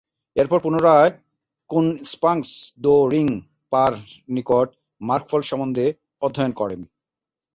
এরপর পুনরায় কুন-স্পাংস-র্দো-রিং-পার নিকট মার্গফল সম্বন্ধে অধ্যয়ন করেন।